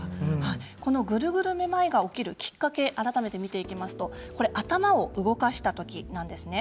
このグルグルめまいが起きるきっかけ改めて見ていきますとこれ頭を動かした時なんですね。